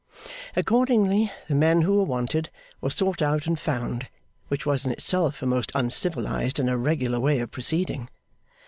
Accordingly, the men who were wanted were sought out and found; which was in itself a most uncivilised and irregular way of proceeding.